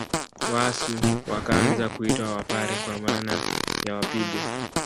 Waasu wakaanza kuitwa Wapare kwa maana ya wapige